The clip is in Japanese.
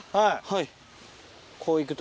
はい。